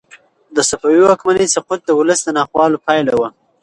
د صفوي واکمنۍ سقوط د ولس د ناخوالو پایله وه.